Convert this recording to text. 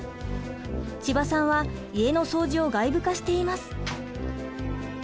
千葉さんは家の掃除を外部化しています。